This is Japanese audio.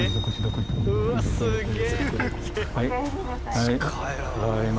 うわすげえ。